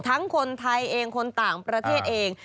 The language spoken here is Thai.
คนไทยเองคนต่างประเทศเอง